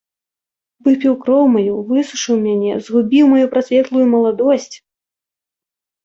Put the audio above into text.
Выпіў кроў маю, высушыў мяне, згубіў маю прасветлую маладосць!